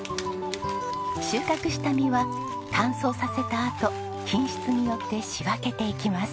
収穫した実は乾燥させたあと品質によって仕分けていきます。